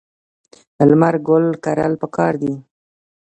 لمر ګل کرل پکار دي.